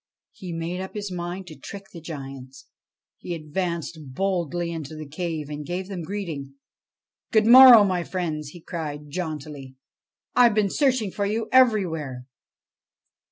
He made up his mind to trick the giants. He advanced boldly into the cave and gave them greeting. ' Good morrow, my friends/ he cried jauntily ;' I Ve been search ing for you everywhere.'